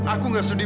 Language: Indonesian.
aku gak sudi